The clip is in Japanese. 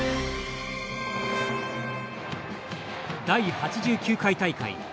第８９回大会。